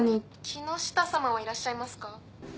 木下さまはいらっしゃいますか？